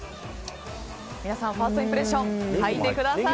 ファーストインプレッション書いてください。